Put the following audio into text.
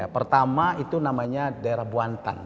pertama itu namanya daerah buantan